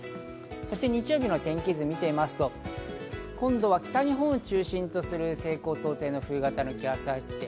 そして日曜日の天気図を見てみますと、今度は北日本を中心とする西高東低の冬型の気圧配置。